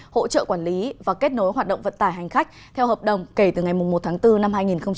hỗ trợ quản lý và kết nối hoạt động vận tải hành khách theo hợp đồng kể từ ngày một tháng bốn năm hai nghìn hai mươi